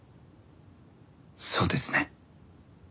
そうですね。